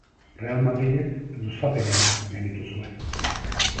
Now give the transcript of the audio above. Real Madrilek luzapenean gainditu zuen.